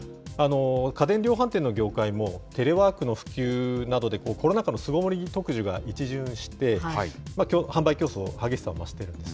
家電量販店の業界も、テレワークの普及などで、コロナ禍の巣ごもり特需が一巡して、販売競争が激しさを増しているんです。